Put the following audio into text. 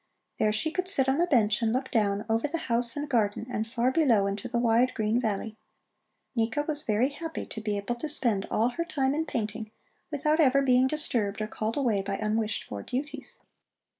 There she could sit on a bench and look down, over the house and garden, and far below into the wide, green valley. Nika was very happy to be able to spend all her time in painting, without ever being disturbed or called away by unwished for duties.